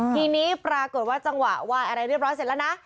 ทีนี้ปรากฏว่าจังหวะไหว้อะไรเรียบร้อยเสร็จแล้วนะ